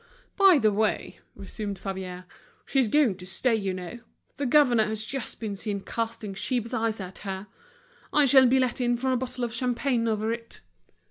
"By the way," resumed Favier, "she's going to stay, you know. The governor has just been seen casting sheep's eyes at her. I shall be let in for a bottle of champagne over it."